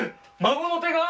孫の手が？